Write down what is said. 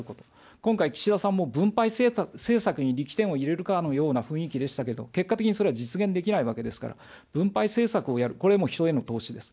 今回、岸田さんも分配政策に力点を入れるかのような雰囲気でしたけど、結果的にそれは実現できないわけですから、分配政策をやる、これも人への投資です。